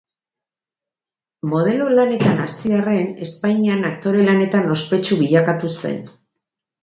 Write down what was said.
Modelo lanetan hasi arren, Espainian aktore lanetan ospetsu bilakatu zen.